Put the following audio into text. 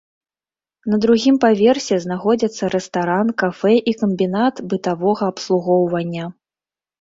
На другім паверсе знаходзяцца рэстаран, кафэ і камбінат бытавога абслугоўвання.